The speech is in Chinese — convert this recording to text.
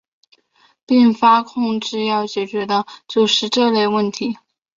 并发控制要解决的就是这类问题。